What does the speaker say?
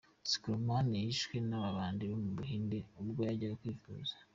Skromane yishwe n’amabandi yo mu Buhinde ubwo yajyaga kwivuza .